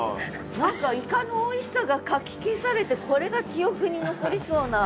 何かイカのおいしさがかき消されてこれが記憶に残りそうな。